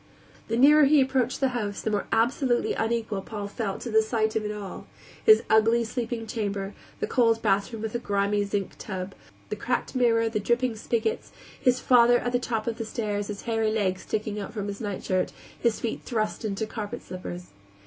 The nearer he approached the house, the more absolutely unequal Paul felt to the sight of it all: his ugly sleeping chamber; the cold bathroom with the grimy zinc tub, the cracked mirror, the dripping spiggots; his father, at the top of the stairs, his hairy legs sticking out from his nightshirt, his feet thrust into carpet slippers.